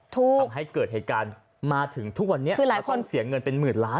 ทำให้เกิดเหตุการณ์มาถึงทุกวันนี้คือหลายคนเสียเงินเป็นหมื่นล้าน